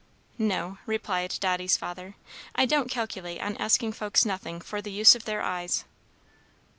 "No," replied Dotty's father. "I don't calculate on asking folks nothing for the use of their eyes."